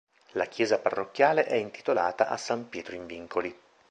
La chiesa parrocchiale è intitolata a San Pietro in Vincoli.